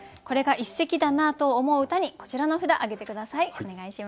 これが一席だなと思う歌にこちらの札あげて下さい。